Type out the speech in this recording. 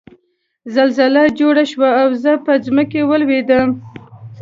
زلزله جوړه شوه او زه په ځمکه ولوېدم